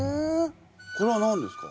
これは何ですか？